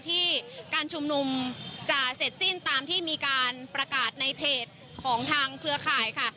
ที่การชุมนุมจะเสร็จสิ้นตามที่มีการประกาศในเพจของทางเครือข่ายค่ะ